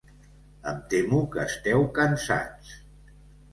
Em temo que esteu cansats.